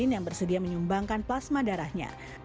yang bersedia menyumbangkan plasma darahnya